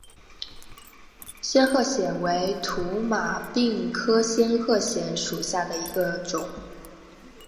仙鹤藓为土马鬃科仙鹤藓属下的一个种。